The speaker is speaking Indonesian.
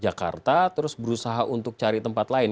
jakarta terus berusaha untuk cari tempat lain